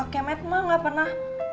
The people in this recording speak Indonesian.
kemet mah nggak pernah